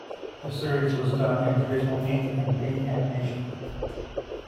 The series was done in traditional ink and paint animation.